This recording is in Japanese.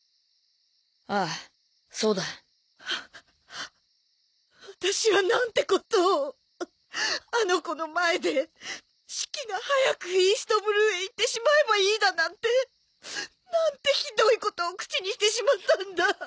ああそうだ私はなんてことをあの子の前で「シキが早くイーストブルーへ行ってしまえばいい」だなんてなんてひどいことを口にしてしまったんだ